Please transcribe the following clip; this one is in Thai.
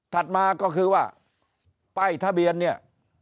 มาก็คือว่าป้ายทะเบียนเนี่ย